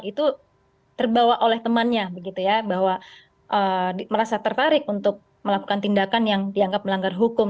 itu terbawa oleh temannya begitu ya bahwa merasa tertarik untuk melakukan tindakan yang dianggap melanggar hukum